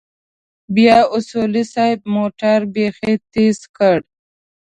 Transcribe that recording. بيا اصولي صيب موټر بيخي تېز کړ.